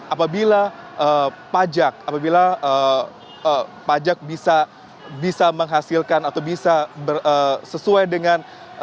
apabila pajak bisa menghasilkan atau bisa sesuai dengan